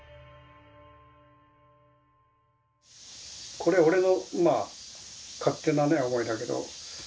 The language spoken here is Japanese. これ俺のまあ勝手なね思いだけど。